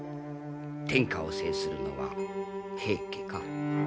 天下を制するのは平家か？